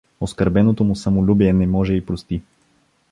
Оскърбеното му самолюбие не може й прости.